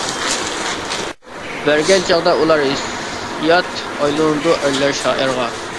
بەرگەن چاغدا ئۇلار ھېسسىيات، ئايلىنىدۇ ئەرلەر شائىرغا.